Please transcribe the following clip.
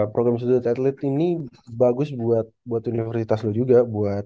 program student athlete ini bagus buat universitas lo juga